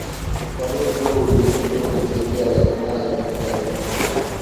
ufafanuzi huo uliingizwa kwenye sheria ya jinai ya kitaifa